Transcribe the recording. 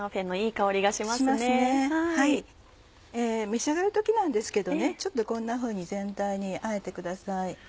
召し上がる時なんですけどこんなふうに全体にあえてください。